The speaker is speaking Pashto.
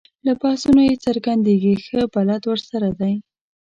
له بحثونو یې څرګندېږي ښه بلد ورسره دی.